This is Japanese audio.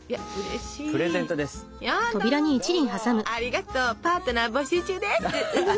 ありがとうパートナー募集中です！